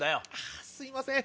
あすいません